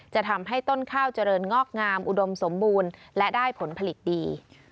จะทำให้ต้นข้าวเจริญงอกงามอุดมสมบูรณ์และได้ผลผลิตดี